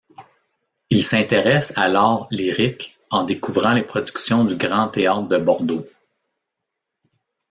Il s’intéresse à l’art lyrique en découvrant les productions du Grand Théâtre de Bordeaux.